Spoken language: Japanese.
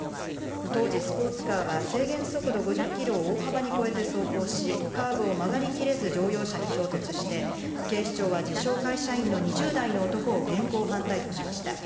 当時スポーツカーは制限速度５０キロを大幅に超えて走行し、カーブを曲がりきれず、乗用車に衝突して、警視庁は自称会社員の２０代の男を現行犯逮捕しました。